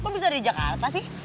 kok bisa di jakarta sih